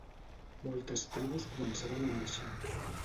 Moltes tribus començaven a marxar.